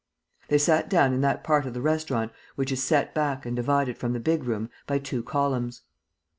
They sat down in that part of the restaurant which is set back and divided from the big room by two columns.